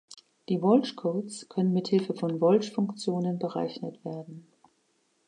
Die Walsh-Codes können mit Hilfe von Walsh-Funktionen berechnet werden.